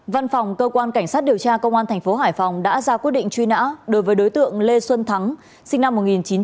văn phòng cơ quan cảnh sát điều tra công an thành phố hải phòng đã ra quyết định truy nã đối với đối tượng lê xuân thắng sinh năm một nghìn chín trăm tám mươi